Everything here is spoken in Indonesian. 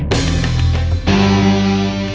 dik dik itu menang